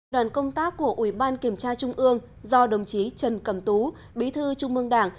đoàn công tác của ủy ban kiểm tra trung ương do đồng chí trần cẩm tú bí thư trung ương đảng